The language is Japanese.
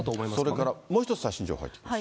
それからもう１つ、最新情報入ってきてます。